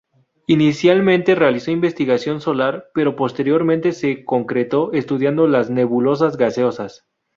Inicialmente realizó investigación solar, pero posteriormente se concentró estudiando las nebulosas gaseosas.